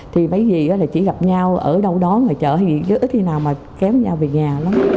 thì mấy dì chỉ gặp nhau ở đâu đó mà chở ít như nào mà kéo nhau về nhà lắm